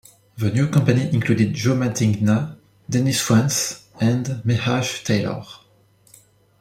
The new company included Joe Mantegna, Dennis Franz and Meshach Taylor.